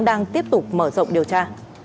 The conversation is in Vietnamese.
đang tiếp tục mở rộng điều tra